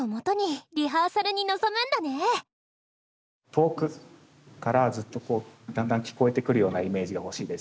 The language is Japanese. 遠くからずっとこうだんだん聞こえてくるようなイメージが欲しいです。